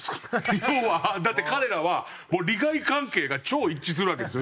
要はだって彼らはもう利害関係が超一致するわけですよ。